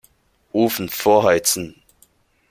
Ofen vorheizen.